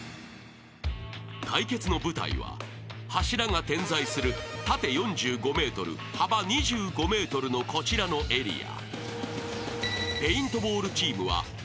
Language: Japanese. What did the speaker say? ［対決の舞台は柱が点在する縦４５ｍ幅２５ｍのこちらのエリア］